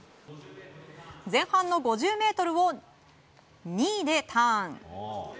前半の５０ｍを２位でターン。